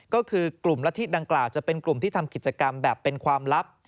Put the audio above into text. ก็คือกลุ่มละทิดังกล่าวจะเป็นกลุ่มที่ทำกิจกรรมแบบเป็นความลับ